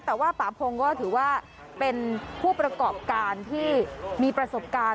แต่ว่าป่าพงก็ถือว่าเป็นผู้ประกอบการที่มีประสบการณ์